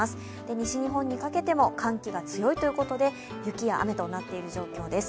西日本にかけても寒気が強いということで、雪や雨となっている状況です。